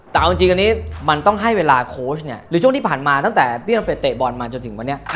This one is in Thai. แต่เอาจริงอันนี้มันต้องให้เวลาโค้ชเนี่ยหรือช่วงที่ผ่านมาตั้งแต่เบี้ยเฟสเตะบอลมาจนถึงวันนี้